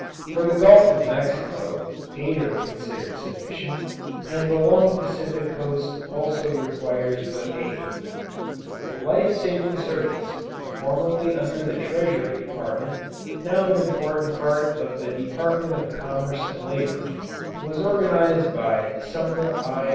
For the Gulf of Mexico eight are considered sufficient, and the long Pacific coast also requires but eight. The Life Saving Service, formerly under the Treasury Department, now an important part of the Department of Commerce and Labour, was organised by Sumner I.